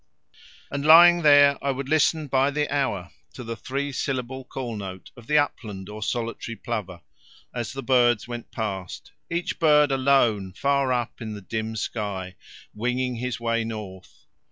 And, lying there, I would listen by the hour to the three syllable call note of the upland or solitary plover, as the birds went past, each bird alone far up in the dim sky, winging his way to the north.